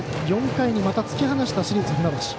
４回に、また突き放した市立船橋。